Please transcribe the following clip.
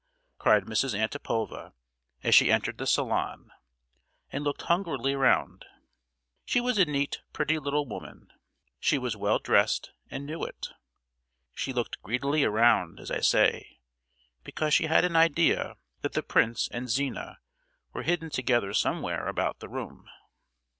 cried Mrs. Antipova as she entered the salon, and looked hungrily round. She was a neat, pretty little woman! she was well dressed, and knew it. She looked greedily around, as I say, because she had an idea that the prince and Zina were hidden together somewhere about the room.